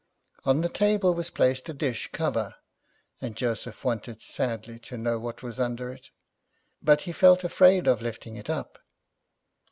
On the table was placed a dish cover, and Joseph wanted sadly to know what was under it, but he felt afraid of lifting it up.